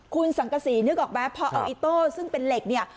คุณสังกษีนึกออกไหมพอเอาอิโต้ซึ่งเป็นเหล็กเนี่ย